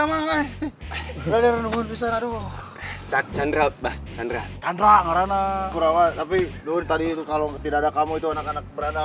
berada renungan pisang aduh cat cat rapat sandra sandra karena kurawa tapi dulu tadi itu kalau tidak ada kamu itu anak anak berada